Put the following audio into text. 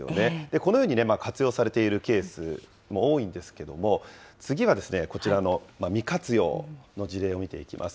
このように活用されているケースも多いんですけれども、次はこちらの未活用の事例を見ていきます。